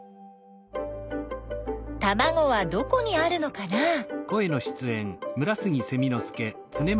たまごはどこにあるのかなあ。